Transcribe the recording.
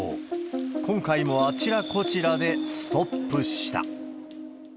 今回もあちらこちらでストップした。